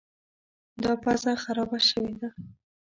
دا پزه خرابه شوې ده.